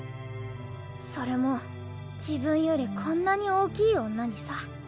それも自分よりこんなに大きい女にさ。